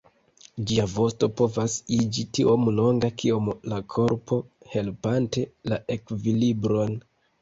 Ĝia vosto povas iĝi tiom longa kiom la korpo, helpante la ekvilibron.